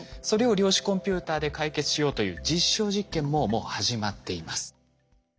それを量子コンピューターで解決しようという実証実験ももう始まっています。